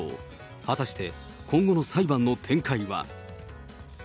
果たして今後の裁判の展開は。